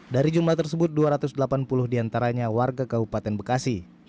dari jumlah tersebut dua ratus delapan puluh diantaranya warga kabupaten bekasi